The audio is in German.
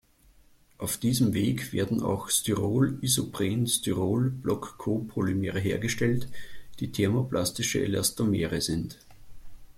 Auf diesem Weg werden auch Styrol-Isopren-Styrol-Blockcopolymere hergestellt, die thermoplastische Elastomere sind.